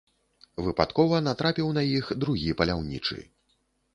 Выпадкова натрапіў на іх другі паляўнічы.